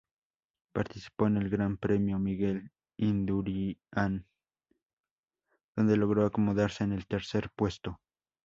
Participó en el Gran Premio Miguel Indurain, donde logró acomodarse en el tercer puesto.